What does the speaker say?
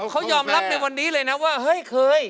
เขายอมรับในวันนี้เลยนะว่าเฮ้ยเคย